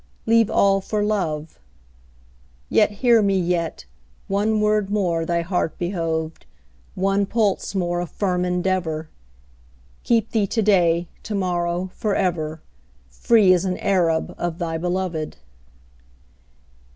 Leave all for love; Yet, hear me, yet, One word more thy heart behoved, One pulse more of firm endeavor, Keep thee to day, To morrow, forever, Free as an Arab Of thy beloved.